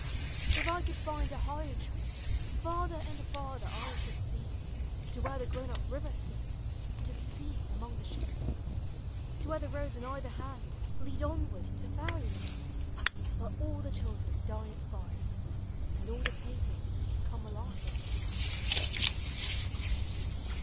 If I could tiud a higher tree Farther and farther I should see, To where the grown up river slips Into the sea among the ships, To where the roads on either hand Lead onward into fairy land. Where all the children dine at live, And all the playthings come alive.